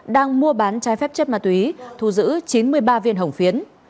đang mua bán trái phép chất ma túy thu giữ chín mươi ba viên hồng phiến